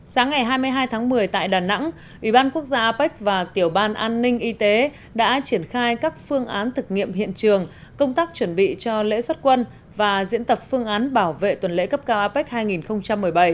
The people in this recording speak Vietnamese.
sáng ngày hai mươi hai tháng một mươi tại đà nẵng ủy ban quốc gia apec và tiểu ban an ninh y tế đã triển khai các phương án thực nghiệm hiện trường công tác chuẩn bị cho lễ xuất quân và diễn tập phương án bảo vệ tuần lễ cấp cao apec hai nghìn một mươi bảy